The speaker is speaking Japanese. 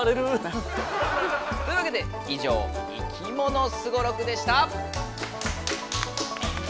というわけで以上「いきものスゴロク」でした！